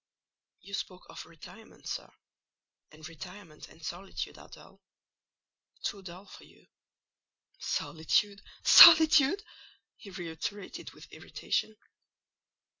"You spoke of a retirement, sir; and retirement and solitude are dull: too dull for you." "Solitude! solitude!" he reiterated with irritation.